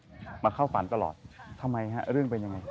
ชื่องนี้ชื่องนี้ชื่องนี้ชื่องนี้ชื่องนี้